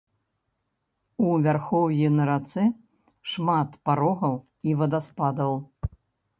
У вярхоўі на рацэ шмат парогаў і вадаспадаў.